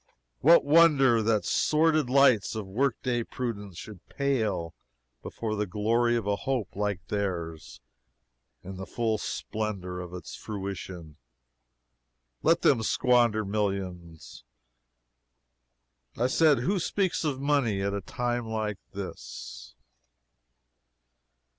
What wonder that the sordid lights of work day prudence should pale before the glory of a hope like theirs in the full splendor of its fruition? Let them squander millions! I said who speaks of money at a time like this?